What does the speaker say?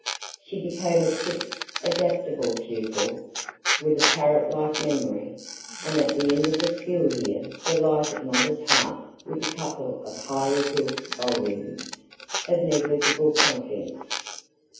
She became a quick, adaptable pupil, with a parrot like memory, and at the end of the school year delighted Mother's heart with a couple of highly gilt volumes, of negligible contents.